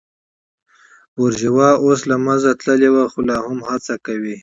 بورژوا اوس له منځه تللې خو لا هم هڅه کوي.